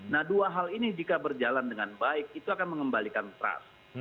nah dua hal ini jika berjalan dengan baik itu akan mengembalikan trust